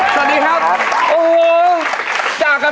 สวัสดีครับ